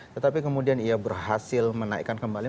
tetapi kemudian ia berhasil menaikkan kembali